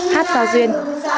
hát vào duyên